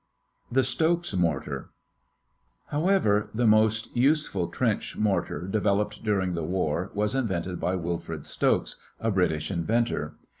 THE STOKES MORTAR However, the most useful trench mortar developed during the war was invented by Wilfred Stokes, a British inventor.